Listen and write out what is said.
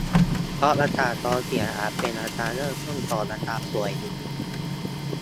เพราะอาการท้องเสียอาจเป็นอาการเริ่มต้นก่อนอาการป่วยอื่น